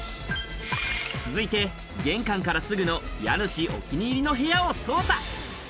続いて、玄関からすぐの家主お気に入りの部屋を捜査。